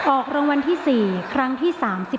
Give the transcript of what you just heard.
ออกรางวัลที่๔ครั้งที่๓๔